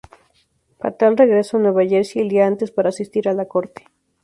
Fatal regresó a Nueva Jersey el día antes para asistir a la corte.